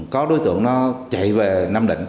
có đối tượng nó chạy về nam định